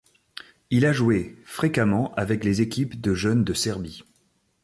Il a joué fréquemment avec les équipes de jeunes de Serbie.